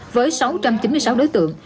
với sáu trăm chín mươi sáu đối tượng